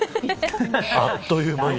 あっという間に。